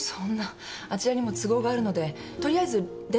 あちらにも都合があるのでとりあえず電話はしてみます。